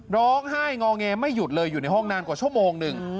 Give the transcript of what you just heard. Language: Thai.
ร้องไห้งอแงไม่หยุดเลยอยู่ในห้องนานกว่าชั่วโมงหนึ่ง